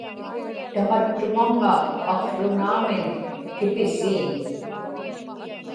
tamattumaŋŋa akłunaamiñ kipisiiñ